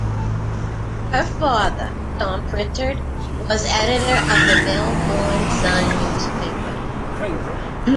Her father, Tom Prichard, was editor of the Melbourne "Sun" newspaper.